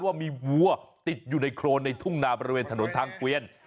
ว่ามีวัวติดอยู่ในโครนในทุ่งนาบริเวณถนนทางเกวียน